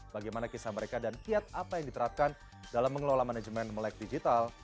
bagaimana kisah mereka dan kiat apa yang diterapkan dalam mengelola manajemen melek digital